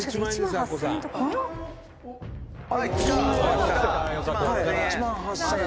和田：「１万８０００円」